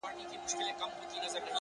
• ه زه تر دې کلامه پوري پاته نه سوم ـ